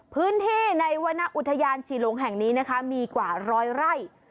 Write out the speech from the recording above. พื้นที่ในวรรณอุทยานฉี่หลงแห่งนี้นะคะมีกว่าร้อยไร่